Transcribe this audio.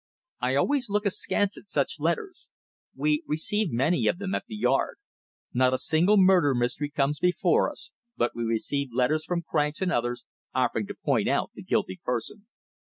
"I always look askance at such letters. We receive many of them at the Yard. Not a single murder mystery comes before us, but we receive letters from cranks and others offering to point out the guilty person."